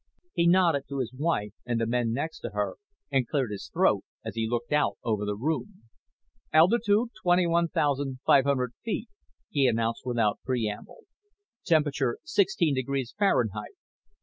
He nodded to his wife and the men next to her and cleared his throat as he looked out over the room. "Altitude 21,500 feet," he announced without preamble. "Temperature sixteen degrees Fahrenheit.